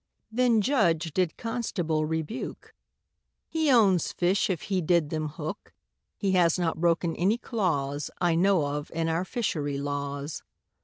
Then judge did constable rebuke, He owns fish if he did them hook, He has not broken any clause I know of in our fishery laws.